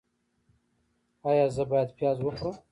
ایا زه باید پیاز وخورم؟